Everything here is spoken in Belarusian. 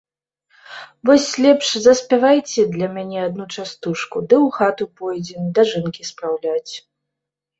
Вось лепш заспявайце для мяне адну частушку, ды ў хату пойдзем дажынкі спраўляць.